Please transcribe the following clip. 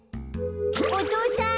お父さん！